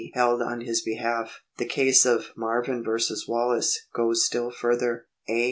held on his behalf. The case of Marvin v. Wallace * goes still further. A.